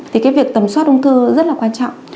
thì cái việc tầm soát ung thư rất là quan trọng